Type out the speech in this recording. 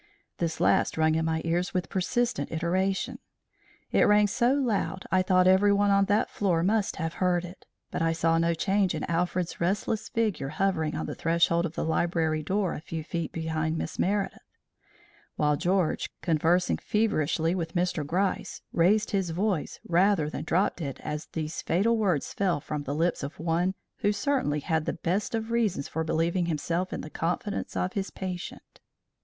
This last rung in my ears with persistent iteration. It rang so loud I thought everyone on that floor must have heard it. But I saw no change in Alfred's restless figure hovering on the threshold of the library door a few feet behind Miss Meredith; while George, conversing feverishly with Mr. Gryce, raised his voice rather than dropped it as these fatal words fell from the lips of one who certainly had the best of reasons for believing himself in the confidence of his patient.